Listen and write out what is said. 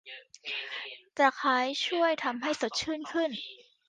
ตะไคร้ช่วยทำให้สดชื่นขึ้น